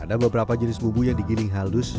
ada beberapa jenis bubu yang digiling halus